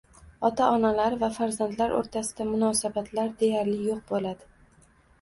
ota-onalar bilan farzandlar o‘rtasida munosabatlar deyarli yo‘q bo'ladi.